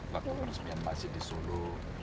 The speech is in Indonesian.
waktu peresmian masih di sulu